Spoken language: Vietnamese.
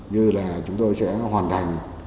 như là chúng tôi sẽ hoàn thành